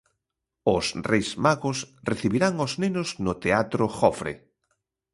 Os Reis Magos recibirán os nenos no Teatro Jofre.